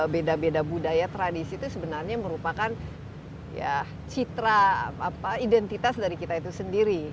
beda beda budaya tradisi itu sebenarnya merupakan citra identitas dari kita itu sendiri